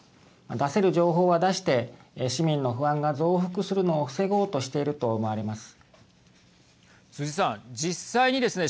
出せる情報は出して市民の不安が増幅するのを防ごうとしていると思われます。